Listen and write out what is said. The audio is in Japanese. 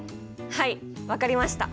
はい分かりました！